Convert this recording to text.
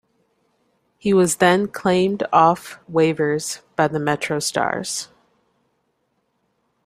He was then claimed off waivers by the MetroStars.